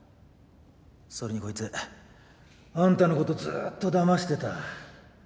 それにこいつあんたのことずっとだましてた。